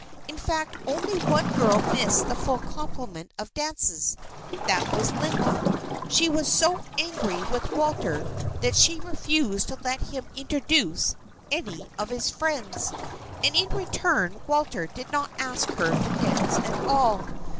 In fact, only one girl missed the full complement of dances. That was Linda. She was so angry with Walter that she refused to let him introduce any of his friends, and in return Walter did not ask her to dance at all.